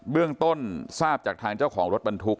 เรื่องต้นทราบจากทางเจ้าของรถบรรทุก